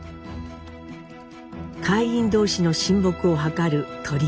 会員同士の親睦を図る「鷄會」。